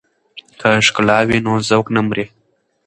که ښکلا وي نو ذوق نه مري.